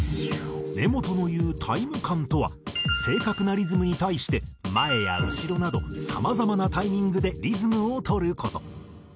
根本の言うタイム感とは正確なリズムに対して前や後ろなどさまざまなタイミングでリズムをとる事。